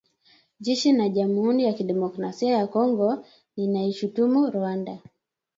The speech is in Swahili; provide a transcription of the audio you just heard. Jeshi la Jamuhuri ya Kidemokrasia ya Kongo linaishutumu Rwanda